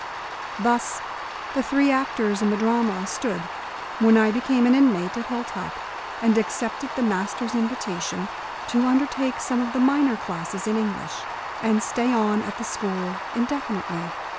Thus the three actors in the drama stood, when I became an inmate of Hilltop, and accepted the master's invitation to undertake some of the minor classes in English, and stay on at the school indefinitely.